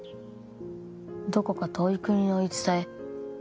どこか遠い国の言い伝え。